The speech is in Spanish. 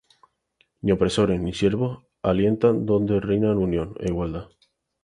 Ni opresores, ni siervos, alientan, Donde reinan unión, e igualdad.